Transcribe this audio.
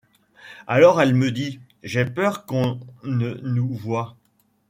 Alors, elle me dit :— J’ai peur qu’on ne nous voie !